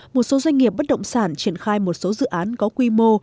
một số doanh nghiệp bất động sản triển khai một số dự án có quy mô